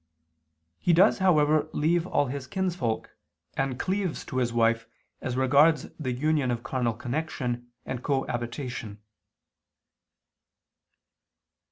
He does however leave all his kinsfolk, and cleaves to his wife as regards the union of carnal connection and co habitation.